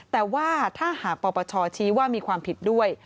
แต่ว่าถ้าหากปปชชี้ว่ามีความผิดด้วย